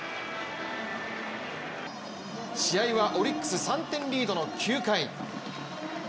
試合はオリックス３点リードの９回。